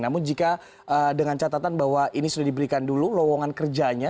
namun jika dengan catatan bahwa ini sudah diberikan dulu lowongan kerjanya